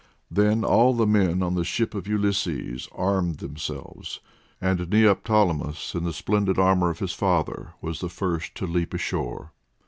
Then all the men on the ship of Ulysses armed themselves, and Neoptolemus, in the splendid armour of his father, was the first to leap ashore.